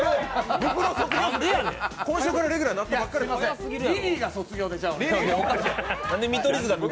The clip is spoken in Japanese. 今週からレギュラーになったばっかりやのに？